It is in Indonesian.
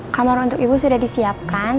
kamar untuk ibu sudah disiapkan